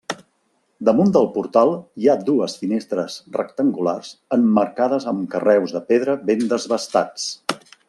Damunt del portal hi ha dues finestres rectangulars emmarcades amb carreus de pedra ben desbastats.